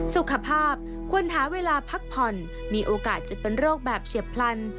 สุขภาพควรหาเวลาพักผ่อนมีโอกาสจะเป็นโรคแบบเฉียบพลัน